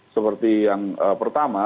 seperti yang pertama